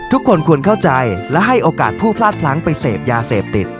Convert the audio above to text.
ทุกคนควรเข้าใจและให้โอกาสผู้พลาดพลั้งไปเสพยาเสพติด